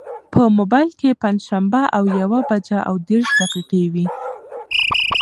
په مبایل کې پنجشنبه او یوه بجه او دېرش دقیقې وې.